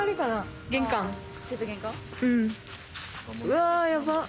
・うわやばっ！